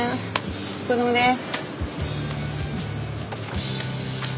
お疲れさまです。